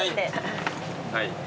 はい。